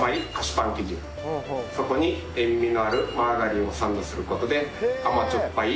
そこに塩味のあるマーガリンをサンドする事で甘じょっぱい